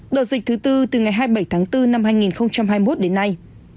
đợt dịch thứ tư từ ngày hai mươi bảy tháng bốn năm hai nghìn hai mươi một đến nay